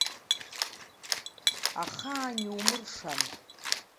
Ахаан иумыршан.